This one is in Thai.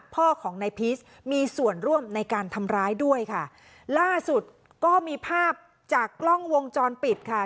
พ่อของนายพีชมีส่วนร่วมในการทำร้ายด้วยค่ะล่าสุดก็มีภาพจากกล้องวงจรปิดค่ะ